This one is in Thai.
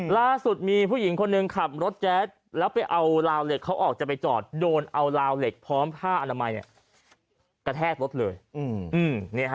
ล่าสุดมีผู้หญิงคนหนึ่งขับรถแจ๊ดแล้วไปเอาราวเหล็กเขาออกจะไปจอดโดนเอาลาวเหล็กพร้อมผ้าอนามัยกระแทกรถเลย